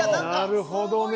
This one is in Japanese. なるほどね！